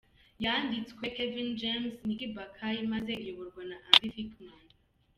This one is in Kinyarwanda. Yanditswe Kevin James , Nick Bakay maze iyoborwa na Andy Fickman.